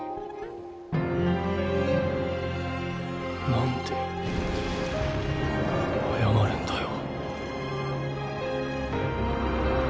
なんで謝るんだよ。